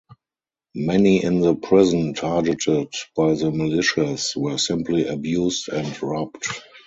Many in the prison targeted by the militias were simply abused and robbed.